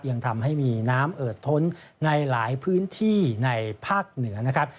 ยังทำให้มีน้ำเอิดท้นในหลายพื้นที่ในภาคเหนือนะครับ